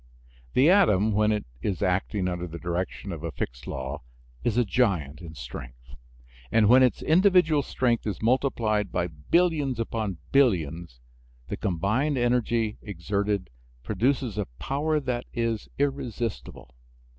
The atom when it is acting under the direction of a fixed law is a giant in strength. And when its individual strength is multiplied by billions upon billions the combined energy exerted produces a power that is irresistible.